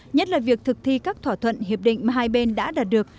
nhất là việc thực thi các thỏa thuận hiệp định mà hai bên đã đạt được